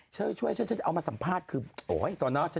เชิญช่วยฉันเอามาสัมภาษณ์คือโหตอนนั้น